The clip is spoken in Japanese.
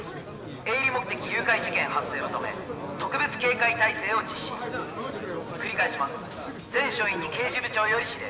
「営利目的誘拐事件発生のため特別警戒態勢を実施」「繰り返します全署員に刑事部長より指令」